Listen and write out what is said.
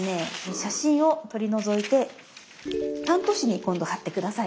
写真を取り除いてタント紙に今度貼って下さい。